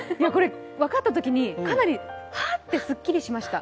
分かったときにかなりはーってスッキリしました。